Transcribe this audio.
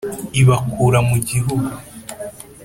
ibakura mu gihugu